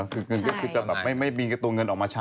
คือเงินก็คือจะแบบไม่มีตัวเงินออกมาใช้